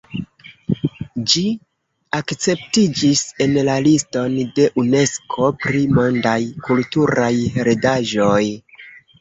Ĝi akceptiĝis en la liston de Unesko pri mondaj kulturaj heredaĵoj.